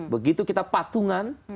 begitu kita patungan